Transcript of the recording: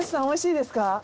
おいしいですか？